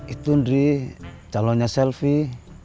itu ndri calonnya selfie